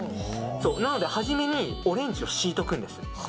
なので初めにオレンジを敷いておくんです。